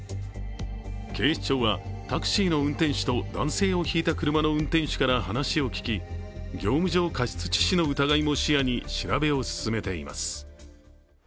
警視庁はタクシーの運転手と男性をひいた車の運転手から話を聞き、業務上過失致死の疑いも視野に調べを進めています。